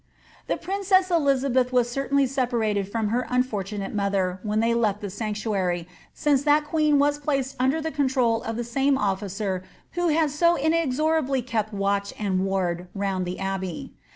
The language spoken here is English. The princess Elizabeth was certainly separated from her unfortunate mother when they left the sanctuary, since that queen was placed under tiie control of the same ofhcer who had so inexorably kept watch and ward round the abbey.